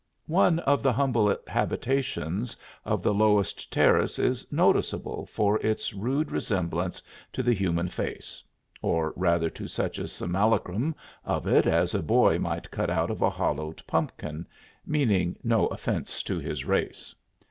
One of the humble habitations of the lowest terrace is noticeable for its rude resemblance to the human face, or rather to such a simulacrum of it as a boy might cut out of a hollowed pumpkin, meaning no offense to his race.